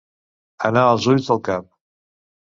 Anar als ulls del cap.